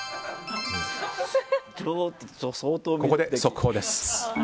ここで速報です。